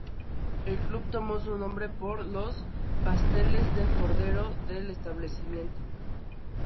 El club tomó su nombre por los pasteles de cordero del establecimiento.